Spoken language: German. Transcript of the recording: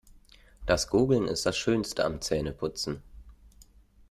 Das Gurgeln ist das Schönste am Zähneputzen.